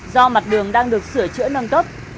do mặt đường đang được sửa chữa nâng cấp